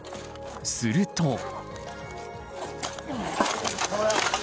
すると。